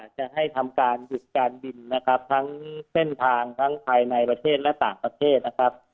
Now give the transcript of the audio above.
จะให้ทำการหยุดการบินนะครับทั้งเส้นทางทั้งภายในประเทศและต่างประเทศนะครับ